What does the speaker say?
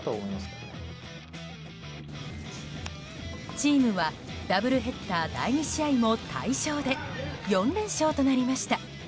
チームはダブルヘッダー第２試合も大勝で４連勝となりました。